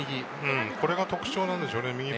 これが特徴なんでしょうね。